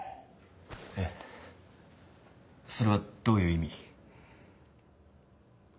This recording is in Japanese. えっそれはどういう意味？